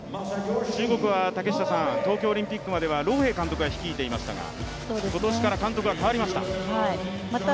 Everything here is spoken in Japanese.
中国は東京オリンピックまではロウ・ヘイ監督が率いていましたが今年から監督が代わりました。